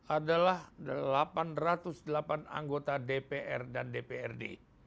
adalah delapan ratus delapan anggota dpr dan dprd